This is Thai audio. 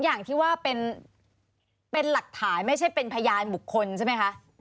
อย่างที่ว่าเป็นหลักฐานไม่ใช่เป็นพยานบุคคลใช่ไหมคะ